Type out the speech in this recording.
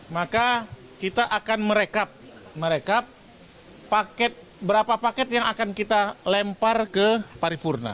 maka kita akan berapa paket yang akan kita lempar ke paripurna